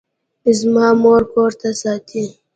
زما مور کور ساتي